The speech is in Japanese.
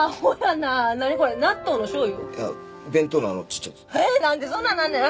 なんでそんなんなんねん！